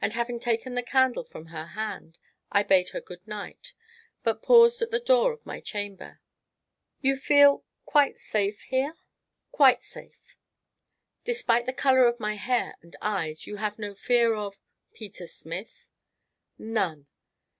And, having taken the candle from her hand, I bade her "Good night," but paused at the door of my chamber. "You feel quite safe here?" "Quite safe!" "Despite the color of my hair and eyes you have no fear of Peter Smith?" "None!"